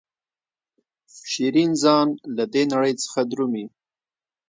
شیرین ځان له دې نړۍ څخه درومي.